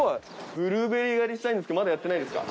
ブルーベリー狩りしたいんですけどまだやってないですか？